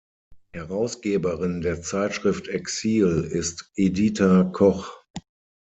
Herausgeberin der Zeitschrift Exil ist Edita Koch.